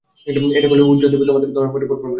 এটা করলে উযযা দেবী তোমাদের ধন-সম্পদে ভরপুর করে দেবেন।